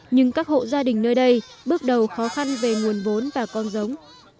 nhưng các hộ gia đình nơi đây bước đầu khó khăn về nguồn vốn và con giống